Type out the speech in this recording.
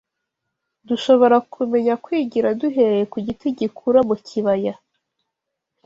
Dushobora kumenya kwigira duhereye ku giti gikura mu kibaya